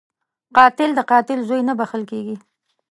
قاتل د قاتل زوی نه بخښل کېږي